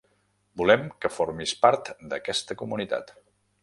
Volem que formis part d'aquesta comunitat.